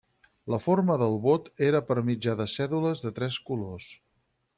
La forma del vot era per mitjà de cèdules de tres colors.